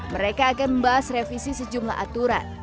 mereka akan membahas revisi sejumlah aturan